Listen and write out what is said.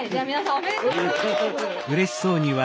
おめでとうございます。